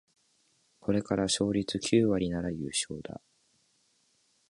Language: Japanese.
ここから勝率九割なら優勝だ